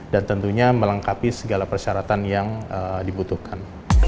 dan tentunya melengkapi segala persyaratan yang dibutuhkan